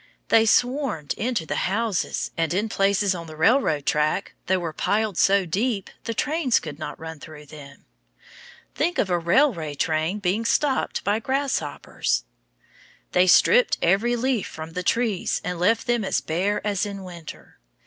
They swarmed into the houses, and in places on the railroad track they were piled so deep the trains could not run through them. Think of a railway train being stopped by grasshoppers! They stripped every leaf from the trees and left them as bare as in winter.